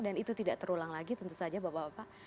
dan itu tidak terulang lagi tentu saja bapak bapak